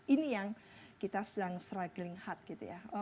ini yang kita sedang struggling heart gitu ya